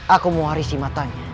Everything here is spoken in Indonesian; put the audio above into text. aku mau harisi matanya